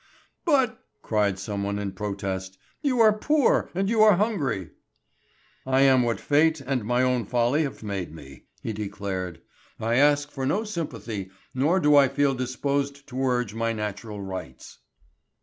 "But," cried some one in protest, "you are poor and you are hungry." "I am what fate and my own folly have made me," he declared. "I ask for no sympathy, nor do I feel disposed to urge my natural rights."